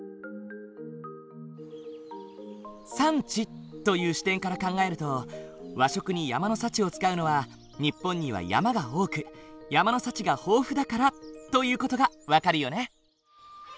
「山地」という視点から考えると和食に山の幸を使うのは日本には山が多く山の幸が豊富だからという事が分かるよね。